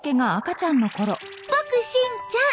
ボクしんちゃん。